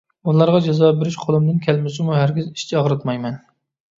ئۇلارغا جازا بېرىش قولۇمدىن كەلمىسىمۇ، ھەرگىز ئىچ ئاغرىتمايمەن.